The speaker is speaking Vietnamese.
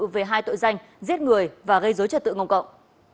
về hai tội danh giết người và gây dối trật tự công cộng